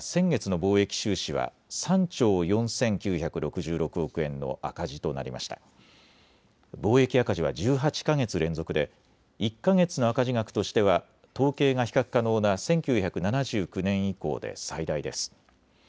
貿易赤字は１８か月連続で１か月の赤字額としては統計が比較可能な１９７９年以降で最大です。